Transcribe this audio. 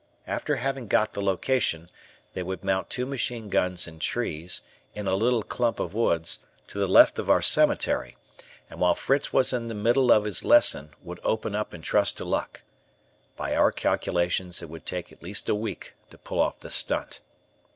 After having got the location, they would mount two machine guns in trees, in a little dump of woods, to the left of our cemetery, and while Fritz was in the middle of his lesson, would open up and trust to luck. By our calculations, it would take at least a week to pull off the stunt.